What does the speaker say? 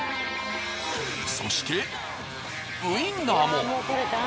そしてウインナーも。